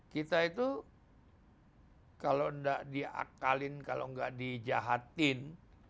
kita itu kalau tidak diakalin kalau nggak dijahatin